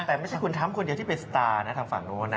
แต่ไม่ใช่คุณทำคนเดียวที่เป็นสตาร์นะทางฝั่งโน้นนะ